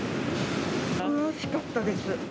恐ろしかったです。